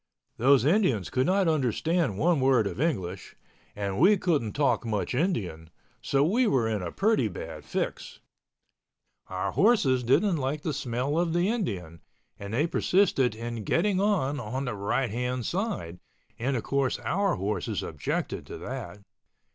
Those Indians could not understand one word of English and we couldn't talk much Indian, so we were in a pretty bad fix. Our horses didn't like the smell of the Indian, and they persisted in getting on on the right hand side, and, of course, our horses objected to that.